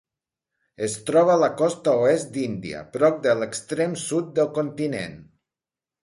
Es troba a la costa oest d'Índia, prop de l'extrem sud del continent.